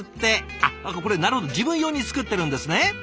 あっこれなるほど自分用に作ってるんですね。